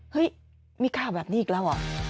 เฮ้ยมีข่าวแบบนี้อีกแล้วเหรอ